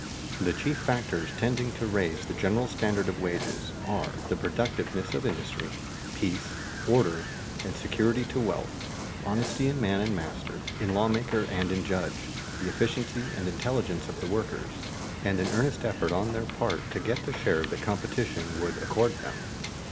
The chief factors tending to raise the general standard of wages are the productiveness of industry, peace, order, and security to wealth, honesty in man and master, in lawmaker and in judge, the efficiency and intelligence of the workers, and an earnest effort on their part to get the share that competition would accord them.